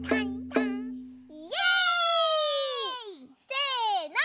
せの。